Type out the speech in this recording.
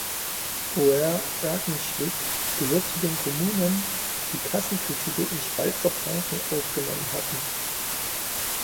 Oer-Erkenschwick gehört zu den Kommunen, die Kassenkredite in Schweizer Franken aufgenommen hatten.